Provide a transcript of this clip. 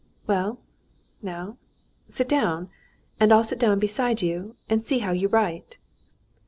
"Well, now, sit down, and I'll sit down beside you and see how you write."